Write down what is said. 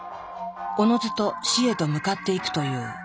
おのずと死へと向かっていくという。